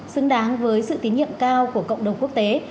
xứng đáng với sự tín nhiệm cao của cộng đồng quốc tế